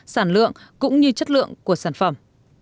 sản lượng cũng như chất lượng của sản phẩm